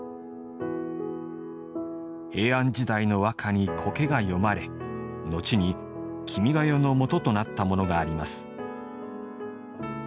平安時代の和歌に苔が詠まれ後に「君が代」の元となったものがあります。